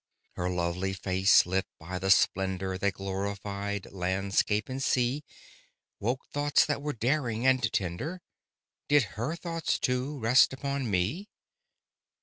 Her lovely face, lit by the splendour That glorified landscape and sea, Woke thoughts that were daring and tender: Did her thoughts, too, rest upon me?